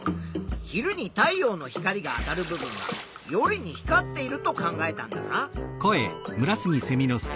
昼に太陽の光が当たる部分が夜に光っていると考えたんだな。